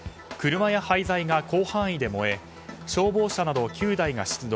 車や廃材が広範囲で燃え消防車など９台が出動。